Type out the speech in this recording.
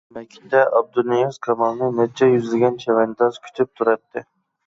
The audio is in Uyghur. مەكىتتە ئابدۇنىياز كامالنى نەچچە يۈزلىگەن چەۋەنداز كۈتۈپ تۇراتتى.